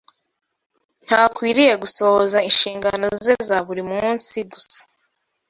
Ntakwiriye gusohoza inshingano ze za buri munsi gusa,